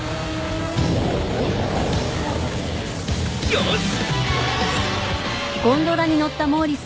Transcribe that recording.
よし！